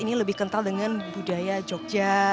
ini lebih kental dengan budaya jogja